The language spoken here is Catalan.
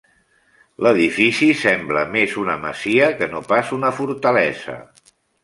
L'edifici sembla més una masia que no pas una fortalesa.